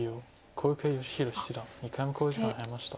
小池芳弘七段１回目の考慮時間に入りました。